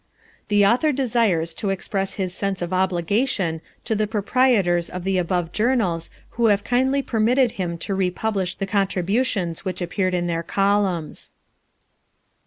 The author desires to express his sense of obligation to the proprietors of the above journals who have kindly permitted him to republish the contributions which appeared in their columns.